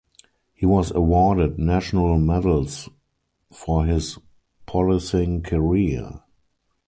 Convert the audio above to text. He was awarded National Medals for his policing career.